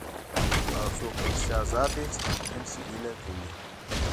هغه څوک په رښتیا ازاد دی چې د ممکن شي هیله کوي.